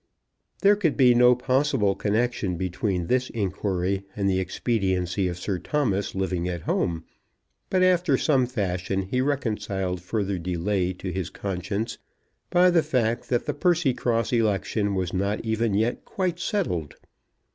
There could be no possible connexion between this inquiry and the expediency of Sir Thomas living at home; but, after some fashion, he reconciled further delay to his conscience by the fact that the Percycross election was not even yet quite settled.